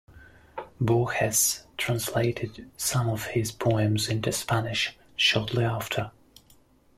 Borges translated some of his poems into Spanish shortly after.